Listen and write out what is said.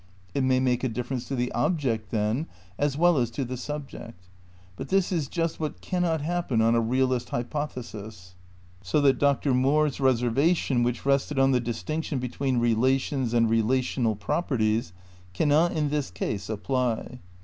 It may make a difference to the object, then, as well as to the subject. But this is just what cannot happen on a realist hypothesis; so that Dr. Moore's reservation, which rested on the distinction between relations and relational properties, cannot in this case apply.